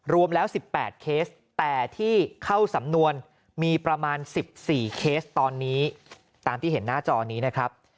รวมแล้ว๑๘เคสแต่ที่เข้าสำนวนมีประมาณ๑๔เคสตอนนี้ตามที่เห็นหน้าจอนี้นะครับ